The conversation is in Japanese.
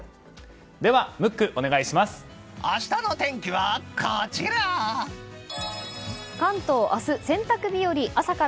明日の天気はこちら！